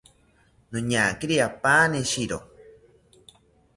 Noñakiri apaani shiro